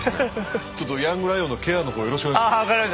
ちょっとヤングライオンのケアのほうよろしくお願いします。